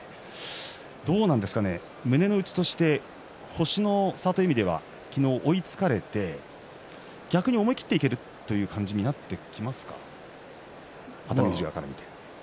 胸の内として星の差という意味では昨日追いつかれて逆に思い切っていけるという感じになってきますか熱海富士側から見て。